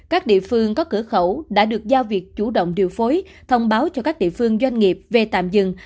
các địa phương có cửa khẩu đã được giao việc chủ động điều phối thông báo cho các địa phương doanh nghiệp về tạm dừng